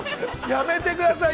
◆やめてください。